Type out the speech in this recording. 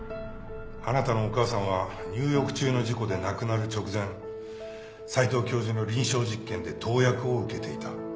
あなたのお母さんは入浴中の事故で亡くなる直前斎藤教授の臨床実験で投薬を受けていた。